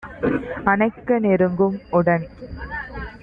அணைக்க நெருங்கும் - உடன்